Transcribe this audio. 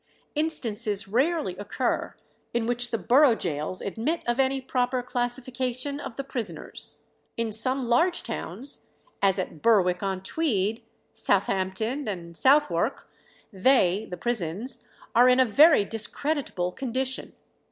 Instances rarely occur in which the borough gaols admit of any proper classification of the prisoners. In some large towns, as at Berwick on Tweed, Southampton, and Southwark, they (the prisons) are in a very discreditable condition.